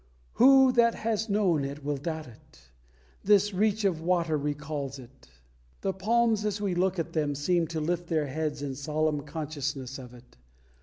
Who that has known it will doubt it? This reach of water recalls it. The palms, as we look at them, seem to lift their heads in solemn consciousness of it.